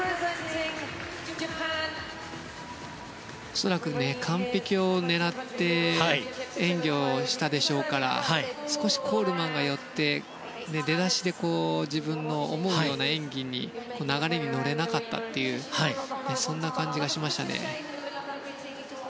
恐らく完璧を狙って演技をしたでしょうから少しコールマンが寄って出だしで、自分の思うような演技、流れに乗れなかったというそんな感じがしましたね。